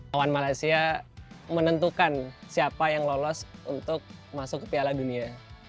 lawan malaysia menentukan siapa yang lolos untuk masuk ke piala dunia